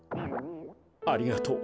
ありがとう。